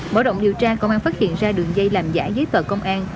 mở rộng điều tra công an phát hiện ra đường dây làm giả giấy tờ công an